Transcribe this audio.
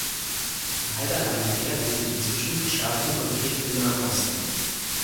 Leider leidet er durch den inzwischen verschärften Konflikt im Nahen Osten.